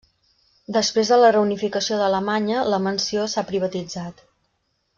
Després de la reunificació d'Alemanya la mansió s'ha privatitzat.